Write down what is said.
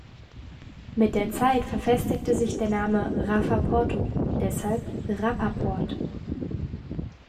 Mit der Zeit verfestigte sich der Name Raffa-Porto, deshalb Rapaport.